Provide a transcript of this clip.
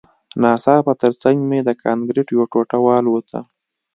ناڅاپه ترڅنګ مې د کانکریټ یوه ټوټه والوته